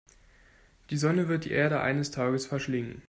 Die Sonne wird die Erde eines Tages verschlingen.